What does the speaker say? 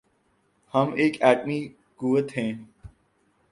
ہم ایک ایٹمی قوت ہیں۔